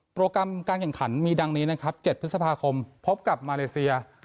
โปรแกรมการแข่งขันมีดังนี้นะครับ๗พฤษภาคมพบกับมาเลเซีย